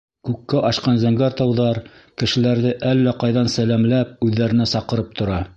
Күккә ашҡан зәңгәр тауҙар кешеләрҙе әллә ҡайҙан сәләмләп, үҙҙәренә саҡырып тора.